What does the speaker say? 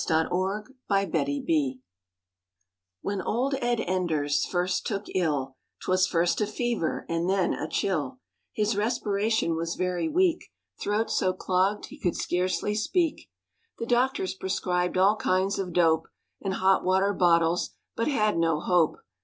*ED ENDERS' GRAVE* When old Ed Enders first took ill, 'Twas first a fever and then a chill, His respiration was very weak, Throat so clogged he could scarcely speak. The doctors prescribed all kinds of dope And hotwater bottles, but had no hope.